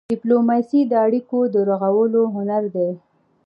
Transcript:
ډيپلوماسي د اړیکو د رغولو هنر دی.